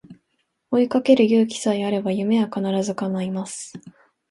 追いかける勇気さえあれば夢は必ず叶います